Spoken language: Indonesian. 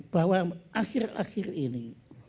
bahwa akhir akhir ini